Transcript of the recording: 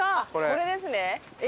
これですね。